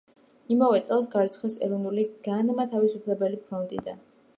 იმავე წელს გარიცხეს „ეროვნული განმათავისუფლებელი ფრონტიდან“.